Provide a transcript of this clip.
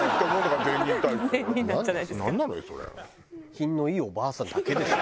品のいいおばあさんだけでしょ